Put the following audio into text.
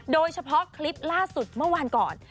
โดยเฉพาะคลิปล่าสุดเมื่อวานก่อน